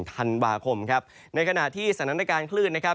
๑ธันวาคมครับในขณะที่สนันต่อขานขลื้นนะครับ